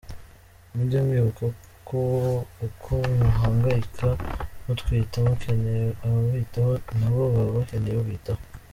Mujye mwibuka ko uko muhangayika mutwite mukeneye ubitaho na bo baba bakeneye ubitaho.